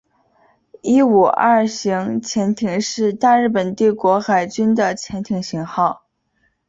伊五二型潜艇是大日本帝国海军的潜舰型号。